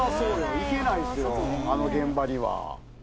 行けないあの現場には。